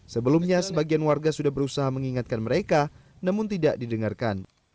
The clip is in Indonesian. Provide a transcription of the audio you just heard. sebelumnya sebagian warga sudah berusaha mengingatkan mereka namun tidak didengarkan